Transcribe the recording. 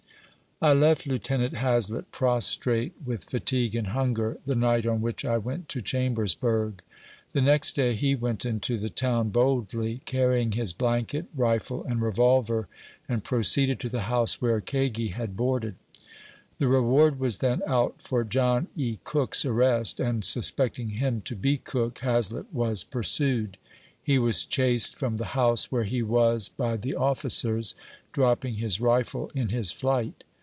I left Lieut. Hazlett prostrate with fatigue and hunger, the night on which I went to Chambersburg. The next day, he went into the town boldly, carrying his blanket, rifle and revolver, and proceeded to the house where Kagi had boarded. The reward was then out for John E. Cook's arrest, and sus pecting him to be Cook, Hazlett was pursued. He was chased from the house where he was by the oflicers, dropping his rifle in his flight.